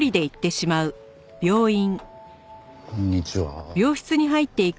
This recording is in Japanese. こんにちは。